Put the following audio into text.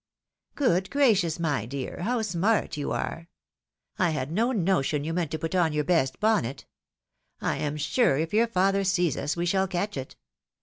" Good gracious ! my dear, how smart you are ! I had no notion you meant to put on your best bonnet. I am sure if your father sees us, we shall catch it.